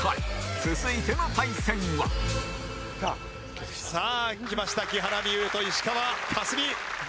続いての対戦はさあきました木原美悠と石川佳純。